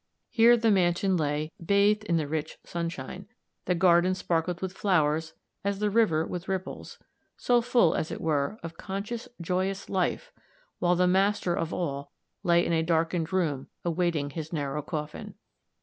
Here the mansion lay, bathed in the rich sunshine; the garden sparkled with flowers as the river with ripples, so full, as it were, of conscious, joyous life, while the master of all lay in a darkened room awaiting his narrow coffin.